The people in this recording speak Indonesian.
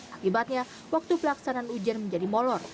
akibatnya waktu pelaksanaan ujian menjadi molor